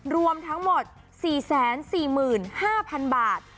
รวมทั้งหมด๔๔๕๐๐๐บาท